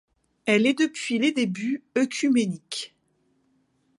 Elle est, depuis les débuts, œcuménique.